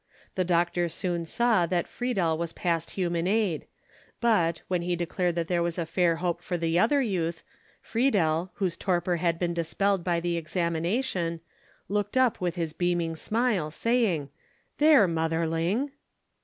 The doctor soon saw that Friedel was past human aid; but, when he declared that there was fair hope for the other youth, Friedel, whose torpor had been dispelled by the examination, looked up with his beaming smile, saying, "There, motherling."